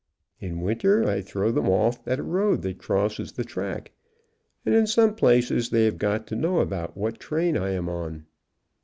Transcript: In winter I throw them at a road that crosses the track, and in some places they have got to know about what train I am on.